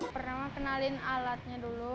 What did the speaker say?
pertama kenalin alatnya dulu